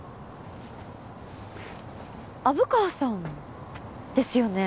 虻川さんですよね？